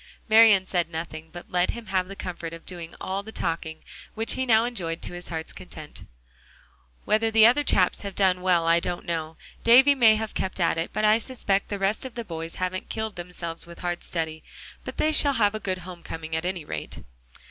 Marian said nothing, but let him have the comfort of doing all the talking, which he now enjoyed to his heart's content. "Whether the other chaps have done well, I don't know. Davie may have kept at it, but I suspect the rest of the boys haven't killed themselves with hard study. But they shall have a good home coming, at any rate."